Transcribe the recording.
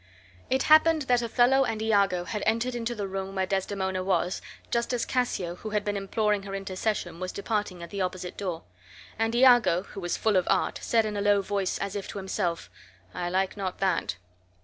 It happened that Othello and Iago had entered into the room where Desdemona was, just as Cassio, who had been imploring her intercession, was departing at the opposite door; and Iago, who was full of art, said in a low voice, as if to himself, "I like not that."